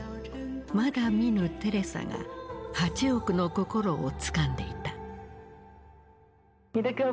まだ見ぬテレサが８億の心をつかんでいた。